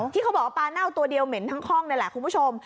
ที่เขาบอกว่าปลาเน่าตัวเดียวเหม็นทั้งห้องนี่แหละคุณผู้ชม